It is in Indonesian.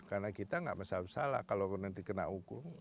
karena kita gak masalah masalah kalau nanti kena hukum